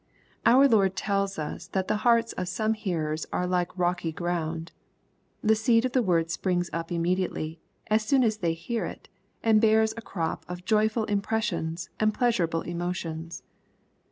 Our Lord tells us that the hearts of some hearers are like rockj' ground. The seed of the word springs up immediately, as soon as they hear it, and bears a crop of joyful impres sions, and pleasurable emotions.